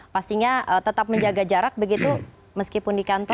pastinya tetap menjaga jarak begitu meskipun di kantor